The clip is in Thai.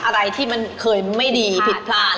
อะไรที่เคยมันไม่ดีผิดพลาด